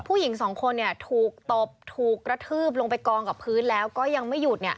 ผู้หญิงสองคนถูกตบถูกกระทืบลงไปกองกับพื้นแล้วก็ยังไม่หยุด